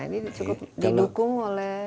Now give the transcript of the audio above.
ini cukup didukung oleh